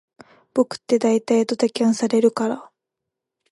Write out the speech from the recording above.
僕ってだいたいドタキャンされるから